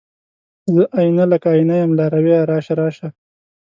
زه آئينه، لکه آئینه یم لارویه راشه، راشه